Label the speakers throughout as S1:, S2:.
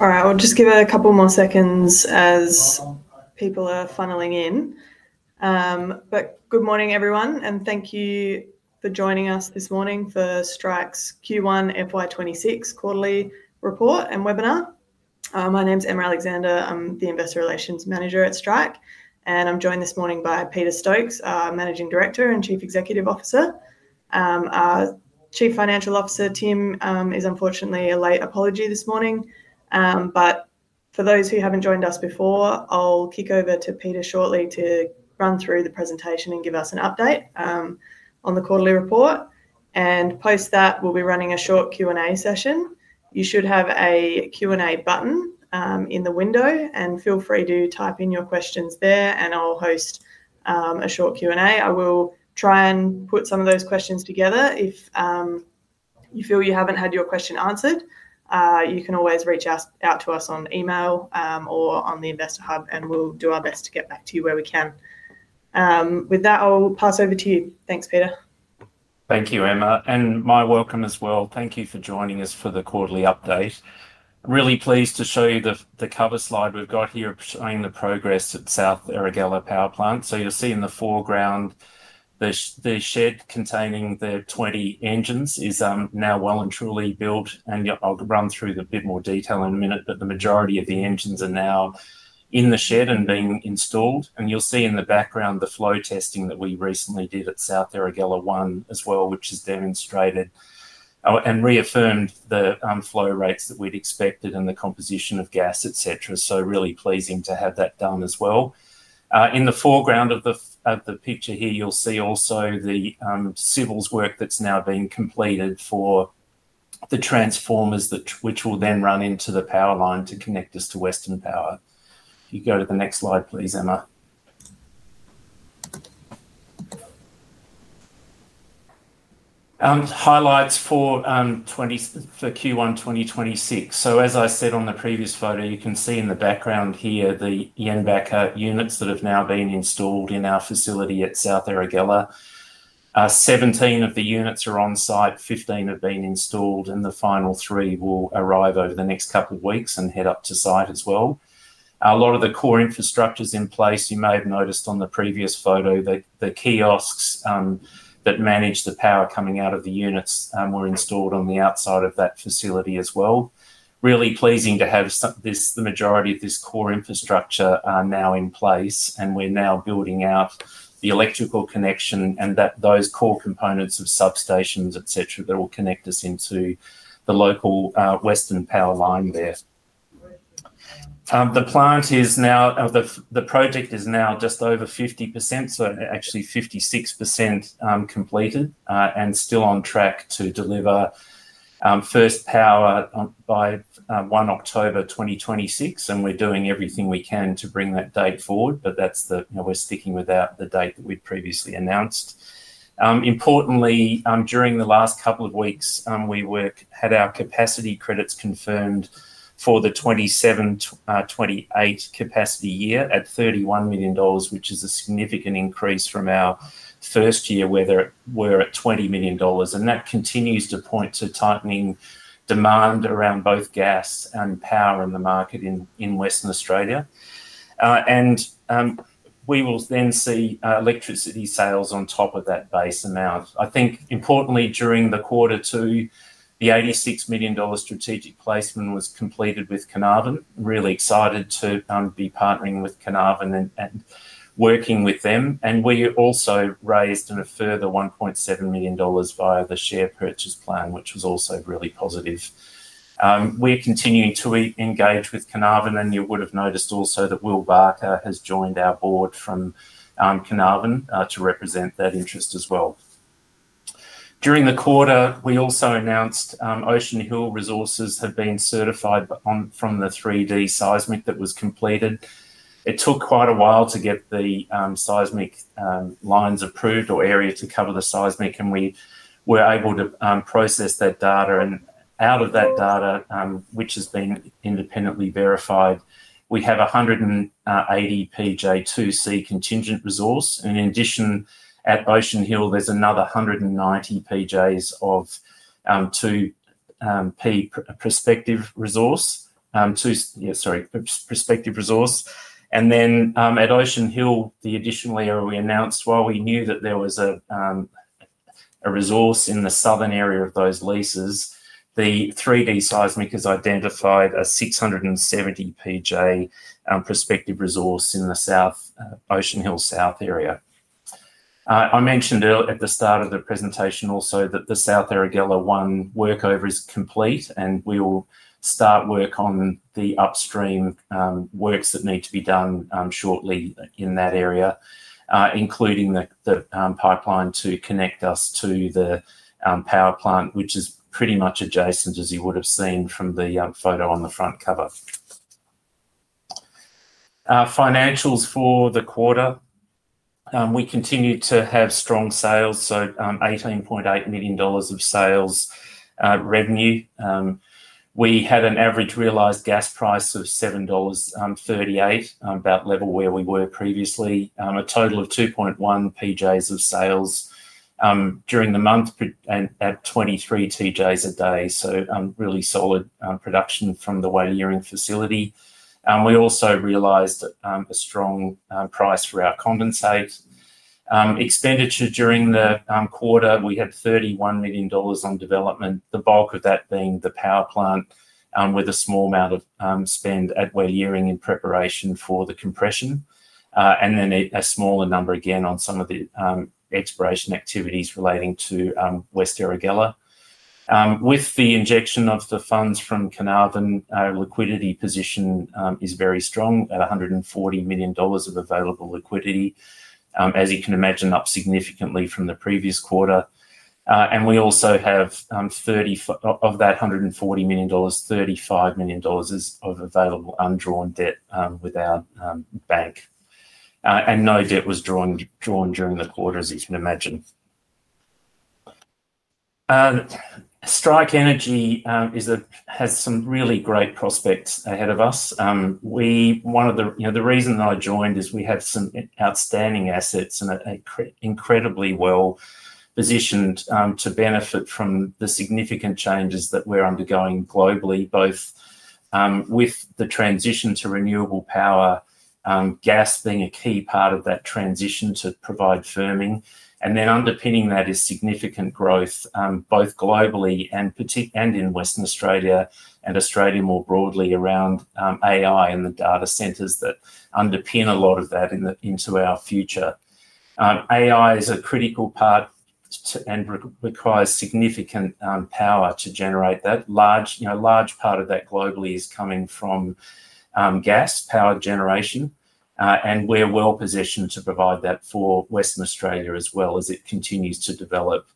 S1: Alright, we'll just give it a couple more seconds as people are funneling in. Good morning, everyone, and thank you for joining us this morning for Strike's Q1 FY 2026 quarterly report and webinar. My name is Emma Alexander. I'm the Investor Relations Manager at Strike, and I'm joined this morning by Peter Stokes, our Managing Director and Chief Executive Officer. Our Chief Financial Officer, Tim, is unfortunately a late apology this morning. For those who haven't joined us before, I'll kick over to Peter shortly to run through the presentation and give us an update on the quarterly report. Post that, we'll be running a short Q&A session. You should have a Q&A button in the window, and feel free to type in your questions there, and I'll host a short Q&A. I will try and put some of those questions together. If you feel you haven't had your question answered, you can always reach out to us on email or on the Investor Hub, and we'll do our best to get back to you where we can. With that, I'll pass over to you. Thanks, Peter.
S2: Thank you, Emma, and my welcome as well. Thank you for joining us for the quarterly update. Really pleased to show you the cover slide we've got here showing the progress at South Erregulla power plant. You'll see in the foreground, the shed containing the 20 engines is now well and truly built, and I'll run through a bit more detail in a minute. The majority of the engines are now in the shed and being installed, and you'll see in the background the flow testing that we recently did at South Erregulla as well, which has demonstrated and reaffirmed the flow rates that we'd expected and the composition of gas, etc. Really pleasing to have that done as well. In the foreground of the picture here, you'll see also the civils work that's now being completed for the transformers, which will then run into the power line to connect us to Western Power. If you go to the next slide, please, Emma. Highlights for Q1 2026. As I said on the previous photo, you can see in the background here the Jenbacher generation units that have now been installed in our facility at South Erregulla. 17 of the units are on site, 15 have been installed, and the final three will arrive over the next couple of weeks and head up to site as well. A lot of the core infrastructure is in place. You may have noticed on the previous photo that the kiosks that manage the power coming out of the units were installed on the outside of that facility as well. Really pleasing to have the majority of this core infrastructure now in place, and we're now building out the electrical connection and those core components of substations, etc., that will connect us into the local Western Power line there. The project is now just over 50%, so actually 56% completed and still on track to deliver first power by October 1, 2026, and we're doing everything we can to bring that date forward. That's the, you know, we're sticking with the date that we previously announced. Importantly, during the last couple of weeks, we had our capacity credits confirmed for the 2027/2028 capacity year at $31 million, which is a significant increase from our first year, where we're at $20 million. That continues to point to tightening demand around both gas and power in the market in Western Australia. We will then see electricity sales on top of that base amount. Importantly, during the quarter too, the $86 million strategic placement was completed with Carnarvon Energy. Really excited to be partnering with Carnarvon and working with them. We also raised a further $1.7 million via the share purchase plan, which was also really positive. We're continuing to engage with Carnarvon, and you would have noticed also that Will Barker has joined our board from Carnarvon to represent that interest as well. During the quarter, we also announced Ocean Hill resources have been certified from the 3D seismic that was completed. It took quite a while to get the seismic lines approved or area to cover the seismic, and we were able to process that data. Out of that data, which has been independently verified, we have 180 PJ 2C contingent resource. In addition, at Ocean Hill, there's another 190 PJ of 2P prospective resource. Sorry, prospective resource. At Ocean Hill, the additional area we announced, while we knew that there was a resource in the southern area of those leases, the 3D seismic has identified a 670 PJ prospective resource in the Ocean Hill South area. I mentioned at the start of the presentation also that the South Erregulla 1 workover is complete, and we will start work on the upstream works that need to be done shortly in that area, including the pipeline to connect us to the power plant, which is pretty much adjacent, as you would have seen from the photo on the front cover. Financials for the quarter. We continue to have strong sales, so $18.8 million of sales revenue. We had an average realized gas price of $7.38, about level where we were previously. A total of 2.1 PJ of sales during the month and at 23 TJ a day. Really solid production from the Walyering facility. We also realized a strong price for our condensate. Expenditure during the quarter, we had $31 million on development, the bulk of that being the power plant with a small amount of spend at Walyering in preparation for the compression. A smaller number again on some of the exploration activities relating to West Erregulla. With the injection of the funds from Carnarvon, our liquidity position is very strong at $140 million of available liquidity, as you can imagine, up significantly from the previous quarter. We also have, of that $140 million, $35 million of available undrawn debt with our bank. No debt was drawn during the quarter, as you can imagine. Strike Energy has some really great prospects ahead of us. One of the reasons I joined is we have some outstanding assets and are incredibly well positioned to benefit from the significant changes that we're undergoing globally, both with the transition to renewable power, gas being a key part of that transition to provide firming. Underpinning that is significant growth, both globally and in Western Australia and Australia more broadly around AI and the data centers that underpin a lot of that into our future. AI is a critical part and requires significant power to generate that. A large part of that globally is coming from gas power generation, and we're well-positioned to provide that for Western Australia as well as it continues to develop.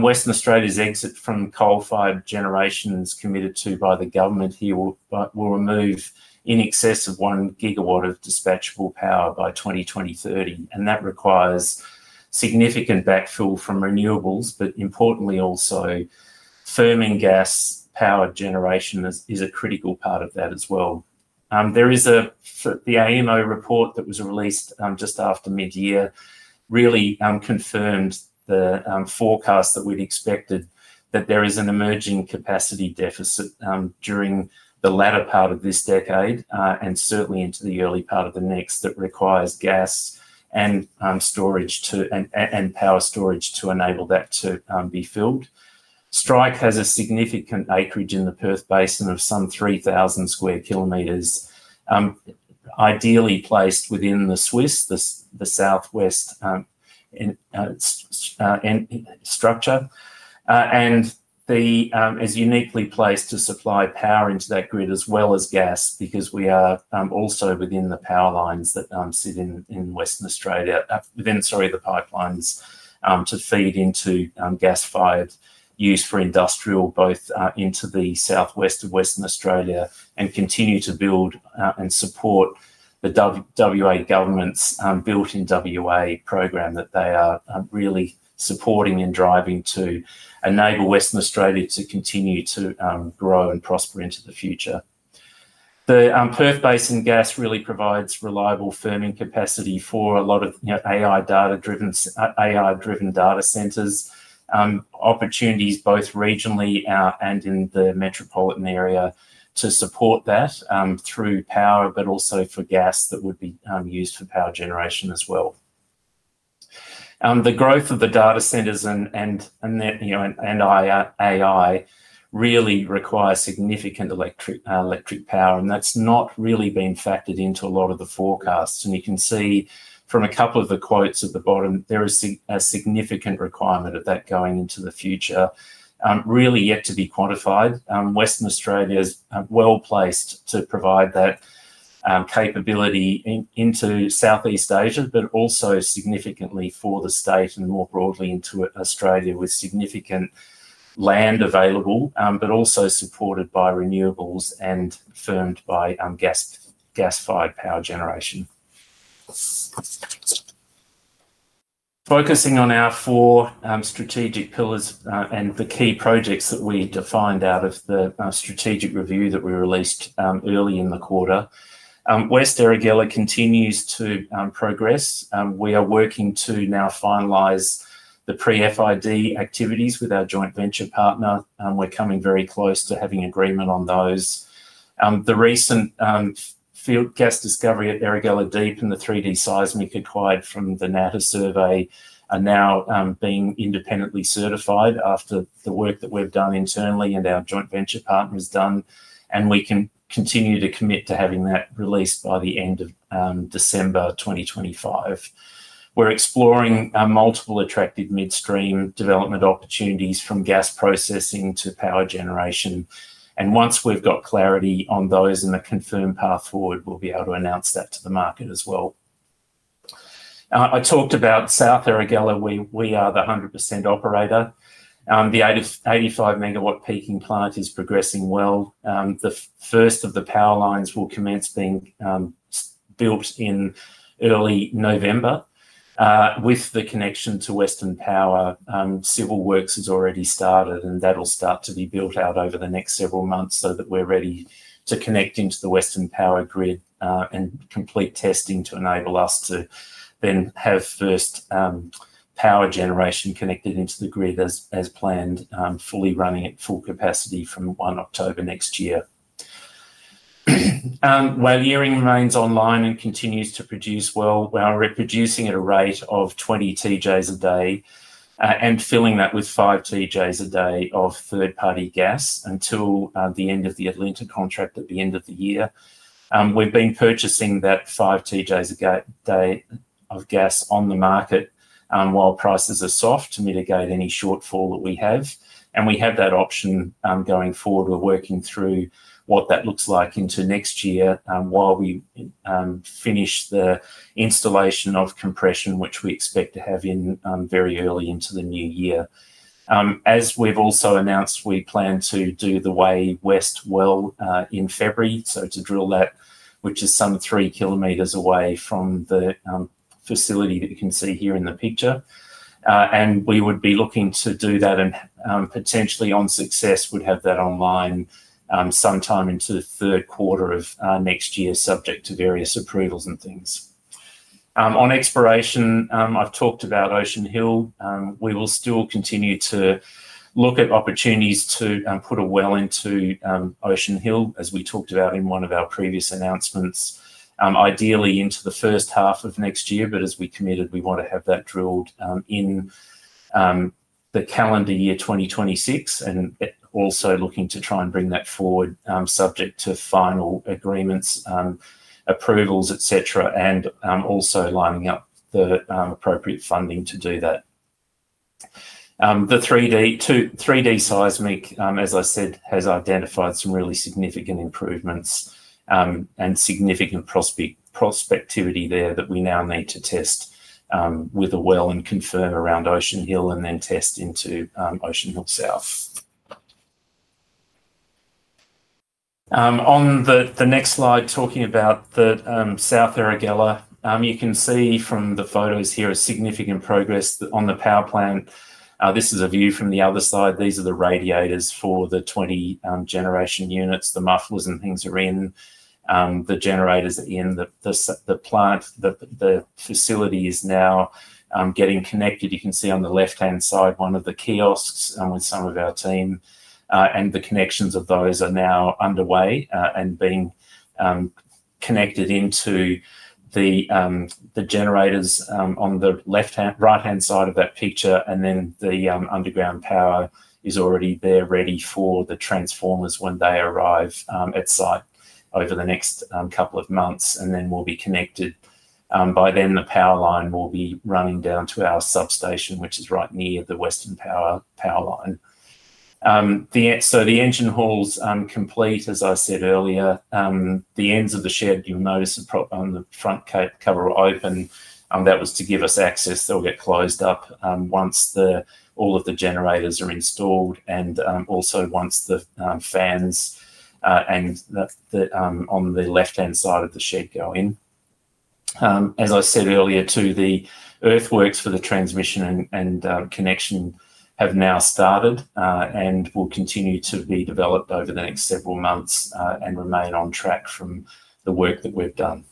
S2: Western Australia's exit from coal-fired generation, committed to by the government here, will remove in excess of 1 GW of dispatchable power by 2030. That requires significant backfill from renewables, but importantly also, firming gas power generation is a critical part of that as well. There is the AMO report that was released just after mid-year, which really confirmed the forecast that we'd expected, that there is an emerging capacity deficit during the latter part of this decade and certainly into the early part of the next that requires gas and power storage to enable that to be filled. Strike Energy has a significant acreage in the Perth Basin of some 3,000 sq km, ideally placed within the SWIS, the Southwest Structure, and is uniquely placed to supply power into that grid as well as gas because we are also within the power lines that sit in Western Australia, within the pipelines to feed into gas-fired use for industrial, both into the Southwest of Western Australia and continue to build and support the WA government's built-in WA program that they are really supporting and driving to enable Western Australia to continue to grow and prosper into the future. The Perth Basin gas really provides reliable firming capacity for a lot of AI-driven data centers, opportunities both regionally and in the metropolitan area to support that through power, but also for gas that would be used for power generation as well. The growth of the data centers and AI really requires significant electric power, and that's not really been factored into a lot of the forecasts. You can see from a couple of the quotes at the bottom, there is a significant requirement of that going into the future, really yet to be quantified. Western Australia is well placed to provide that capability into Southeast Asia, but also significantly for the state and more broadly into Australia with significant land available, but also supported by renewables and firmed by gas-fired power generation. Focusing on our four strategic pillars and the key projects that we defined out of the strategic review that we released early in the quarter, West Erregulla continues to progress. We are working to now finalize the pre-FID activities with our joint venture partner. We're coming very close to having agreement on those. The recent field gas discovery at Erregulla Deep and the 3D seismic acquired from the Natta 3D seismic survey are now being independently certified after the work that we've done internally and our joint venture partner has done, and we can continue to commit to having that released by the end of December 2025. We're exploring multiple attractive midstream development opportunities from gas processing to power generation. Once we've got clarity on those and a confirmed path forward, we'll be able to announce that to the market as well. I talked about South Erregulla. We are the 100% operator. The 85 MW peaking plant is progressing well. The first of the power lines will commence being built in early November with the connection to Western Power, civil works has already started, and that'll start to be built out over the next several months so that we're ready to connect into the Western Power grid and complete testing to enable us to then have first power generation connected into the grid as planned, fully running at full capacity from October 1, next year. Walyering remains online and continues to produce well. We are producing at a rate of 20 TJs a day and filling that with 5 TJs a day of third-party gas until the end of the Atlanta contract at the end of the year. We've been purchasing that 5 TJs a day of gas on the market while prices are soft to mitigate any shortfall that we have. We have that option going forward. We're working through what that looks like into next year while we finish the installation of compression, which we expect to have very early into the new year. As we've also announced, we plan to do the West Walyering well in February, so to drill that, which is some 3km away from the facility that you can see here in the picture. We would be looking to do that and potentially on success would have that online sometime into the third quarter of next year, subject to various approvals and things. On exploration, I've talked about Ocean Hill. We will still continue to look at opportunities to put a well into Ocean Hill, as we talked about in one of our previous announcements, ideally into the first half of next year. As we committed, we want to have that drilled in the calendar year 2026 and also looking to try and bring that forward, subject to final agreements, approvals, etc., and also lining up the appropriate funding to do that. The 3D seismic survey, as I said, has identified some really significant improvements and significant prospectivity there that we now need to test with a well and confirm around Ocean Hill and then test into Ocean Hill South. On the next slide, talking about the South Erregulla, you can see from the photos here significant progress on the power plant. This is a view from the other side. These are the radiators for the 20 generation units, the mufflers and things are in, the generators are in the plant. The facility is now getting connected. You can see on the left-hand side one of the kiosks with some of our team, and the connections of those are now underway and being connected into the generators on the right-hand side of that picture. The underground power is already there, ready for the transformers when they arrive at site over the next couple of months. We will be connected. By then, the power line will be running down to our substation, which is right near the Western Power line. The engine hall's complete, as I said earlier. The ends of the shed, you'll notice on the front cover, are open. That was to give us access. They'll get closed up once all of the generators are installed and also once the fans on the left-hand side of the shed go in. As I said earlier, the earthworks for the transmission and connection have now started and will continue to be developed over the next several months and remain on track from the work that we've done.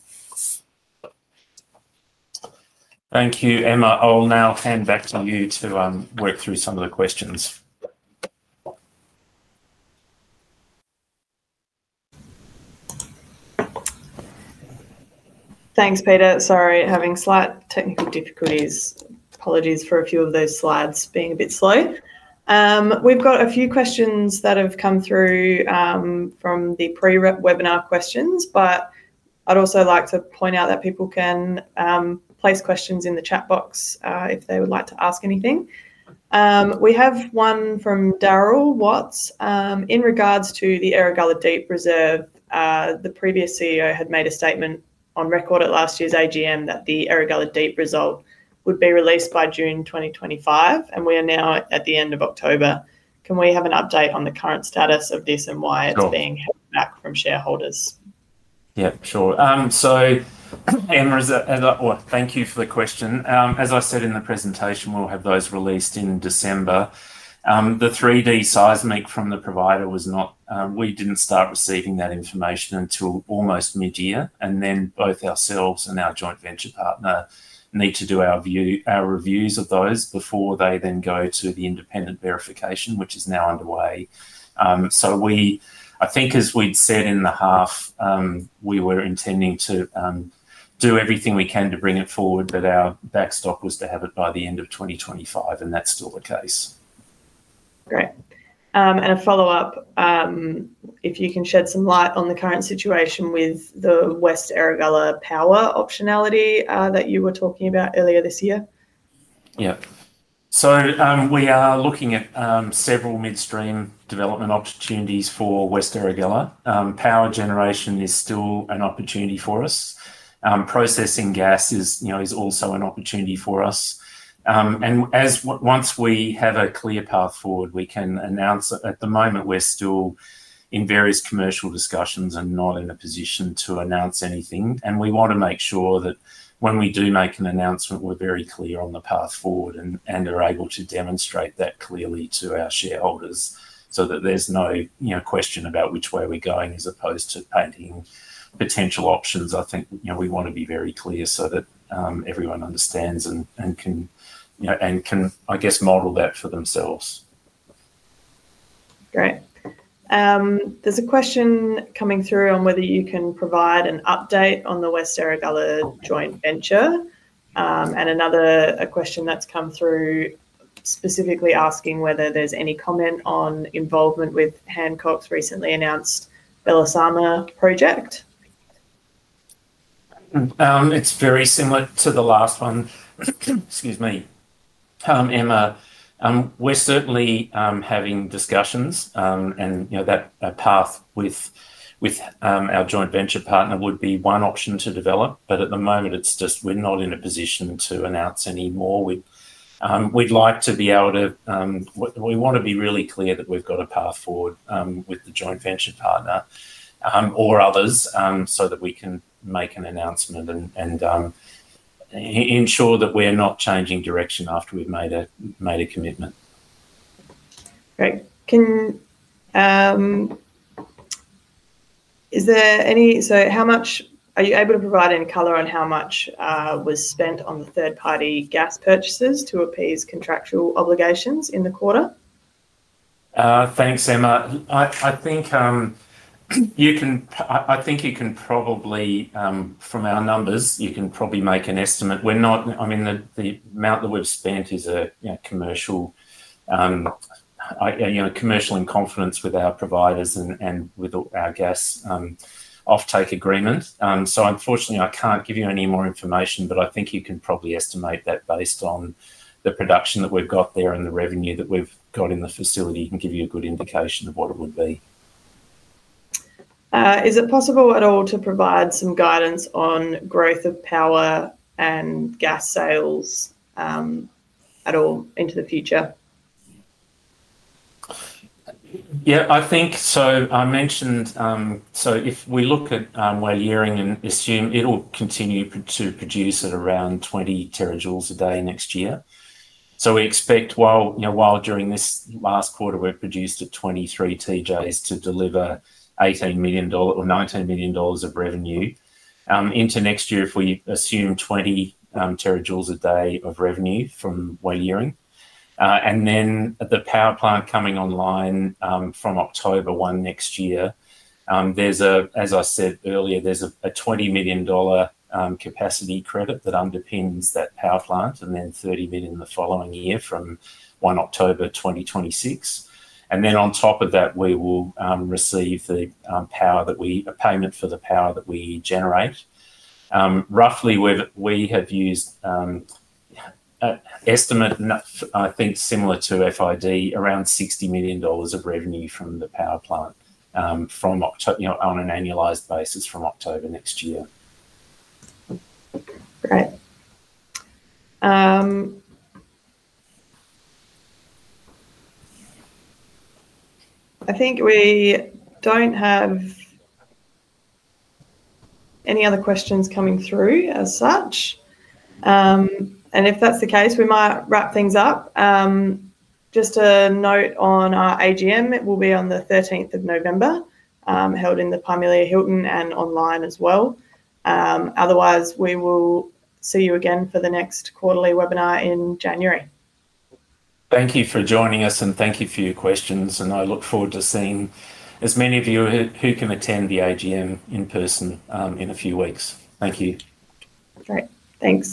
S2: Thank you, Emma. I'll now hand back to you to work through some of the questions.
S1: Thanks, Peter. Sorry, having slight technical difficulties. Apologies for a few of those slides being a bit slow. We've got a few questions that have come through from the pre-webinar questions, but I'd also like to point out that people can place questions in the chat box if they would like to ask anything. We have one from Daryl Watts in regards to the Arugala Deep Reserve. The previous CEO had made a statement on record at last year's AGM that the Arugala Deep Reserve would be released by June 2025, and we are now at the end of October. Can we have an update on the current status of this and why it's being held back from shareholders?
S2: Yeah, sure. Emma, thank you for the question. As I said in the presentation, we'll have those released in December. The 3D seismic from the provider was not, we didn't start receiving that information until almost mid-year. Both ourselves and our joint venture partner need to do our reviews of those before they then go to the independent verification, which is now underway. I think as we'd said in the half, we were intending to do everything we can to bring it forward, but our backstop was to have it by the end of 2025, and that's still the case.
S1: Great. A follow up, if you can shed some light on the current situation with the West Erregulla power optionality that you were talking about earlier this year.
S2: We are looking at several midstream development opportunities for West Erregulla. Power generation is still an opportunity for us. Processing gas is also an opportunity for us. Once we have a clear path forward, we can announce it. At the moment, we're still in various commercial discussions and not in a position to announce anything. We want to make sure that when we do make an announcement, we're very clear on the path forward and are able to demonstrate that clearly to our shareholders so that there's no question about which way we're going as opposed to painting potential options. I think we want to be very clear so that everyone understands and can, I guess, model that for themselves.
S1: Great. There's a question coming through on whether you can provide an update on the West Erregulla joint venture. Another question has come through specifically asking whether there's any comment on involvement with Hancock's recently announced Belisama project.
S2: It's very similar to the last one. Excuse me, Emma. We're certainly having discussions and that path with our joint venture partner would be one option to develop. At the moment, we're not in a position to announce any more. We'd like to be able to. We want to be really clear that we've got a path forward with the joint venture partner or others so that we can make an announcement and ensure that we're not changing direction after we've made a commitment.
S1: Great. Is there any, how much are you able to provide any color on how much was spent on the third-party gas purchases to appease contractual obligations in the quarter?
S2: Thanks, Emma. I think you can probably, from our numbers, you can probably make an estimate. The amount that we've spent is commercial in confidence with our providers and with our gas offtake agreement. Unfortunately, I can't give you any more information, but I think you can probably estimate that based on the production that we've got there and the revenue that we've got in the facility. You can give you a good indication of what it would be.
S1: Is it possible at all to provide some guidance on growth of power and gas sales at all into the future?
S2: Yeah, I think so. I mentioned, if we look at Walyering and assume it will continue to produce at around 20 TJ a day next year, we expect, while during this last quarter, we've produced at 23 TJ to deliver $18 million or $19 million of revenue into next year, if we assume 20 TJ a day of revenue from Walyering. The power plant coming online from October 1 next year, as I said earlier, there's a $20 million capacity credit that underpins that power plant and then $30 million the following year from October 1, 2026. On top of that, we will receive a payment for the power that we generate. Roughly, we have used estimate, I think, similar to FID, around $60 million of revenue from the power plant on an annualized basis from October next year.
S1: Great. I think we don't have any other questions coming through as such. If that's the case, we might wrap things up. Just a note on our AGM, it will be on the November 13th, held in the Parmelia Hilton and online as well. Otherwise, we will see you again for the next quarterly webinar in January.
S2: Thank you for joining us and thank you for your questions. I look forward to seeing as many of you who can attend the AGM in person in a few weeks. Thank you.
S1: Great. Thanks.